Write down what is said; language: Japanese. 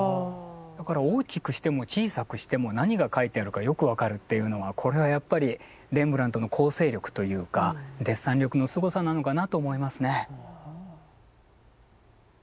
だから大きくしても小さくしても何が描いてあるかよく分かるっていうのはこれはやっぱりレンブラントの構成力というかデッサン力のすごさなのかなと思いますね。